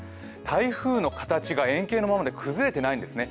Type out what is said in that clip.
台風の形が円形のままで崩れてないんですね。